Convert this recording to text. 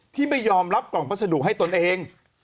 ที่ไม่ยอมรับกล่องพัสดุให้ตนเอง